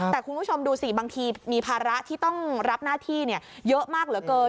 แต่คุณผู้ชมดูสิบางทีมีภาระที่ต้องรับหน้าที่เยอะมากเหลือเกิน